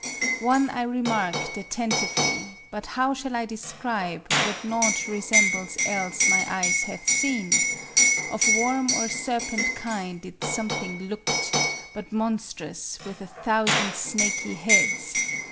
" One I remarked Attentively ; but how shall I describe What nought resembles else my eye hath seen I Of worm or serpent kind it something looked, MARIE ANTOINETTE. 447 But monstrous, with a thoutand tnaky head*.